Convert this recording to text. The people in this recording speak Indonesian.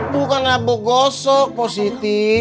bukan abu gosok pos siti